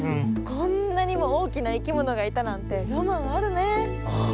こんなにもおおきないきものがいたなんてロマンあるね。